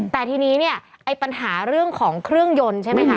แต่ทีนี้เนี่ยไอ้ปัญหาเรื่องของเครื่องยนต์ใช่ไหมคะ